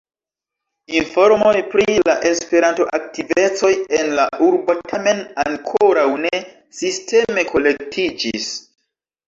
Informoj pri la Esperanto-aktivecoj en la urbo tamen ankoraŭ ne sisteme kolektiĝis.